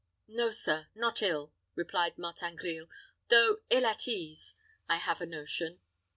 "No, sir; not ill," replied Martin Grille; "though ill at ease, I have a notion.